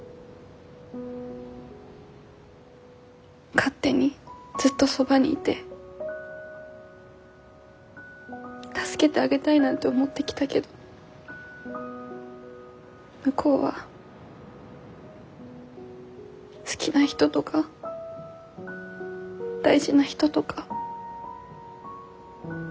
勝手にずっとそばにいて助けてあげたいなんて思ってきたけど向こうは好きな人とか大事な人とか本当にいらないと思ってるのかもって。